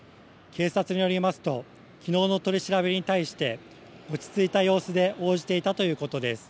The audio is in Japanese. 警察によりますと、きのうの取り調べに対して、落ち着いた様子で応じていたということです。